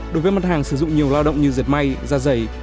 đối với mặt hàng sử dụng nhiều lao động như diệt may da dày